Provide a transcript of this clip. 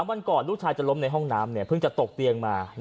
วันก่อนลูกชายจะล้มในห้องน้ำเพิ่งจะตกเตียงมา